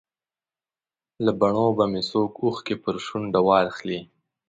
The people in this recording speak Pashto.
له بڼو به مې څوک اوښکې پر شونډه واخلي.